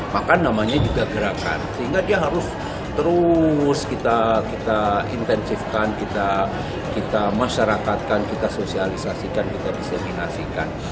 maka namanya juga gerakan sehingga dia harus terus kita intensifkan kita masyarakatkan kita sosialisasikan kita diseminasikan